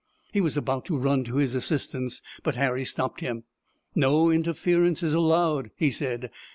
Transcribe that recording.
He was about to run to his assistance, but Harry stopped him. "No interference is allowed," he said.